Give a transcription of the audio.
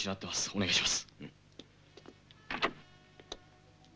お願いします。